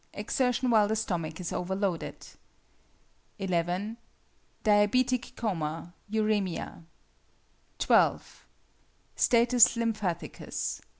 Exertion while the stomach is overloaded. 11. Diabetic coma; uræmia. 12. _Status lymphaticus.